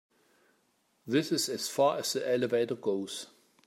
This is as far as the elevator goes.